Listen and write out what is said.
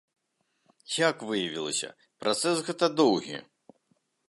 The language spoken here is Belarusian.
Як выявілася, працэс гэта доўгі.